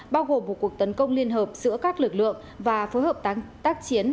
bao gồm một cuộc tấn công liên hợp giữa các lực lượng và phối hợp tác chiến